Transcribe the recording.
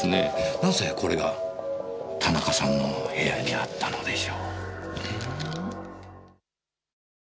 なぜこれが田中さんの部屋にあったのでしょう？